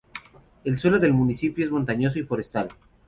El suelo del municipio es montañoso y forestal.